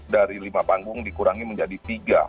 dari lima panggung dikurangi menjadi tiga